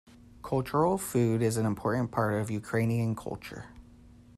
Cultural food is an important part of Ukrainian culture.